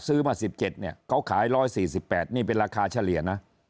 ซื้อมา๑๗๑๔๘นี่เป็นราคาเฉลี่ยนะ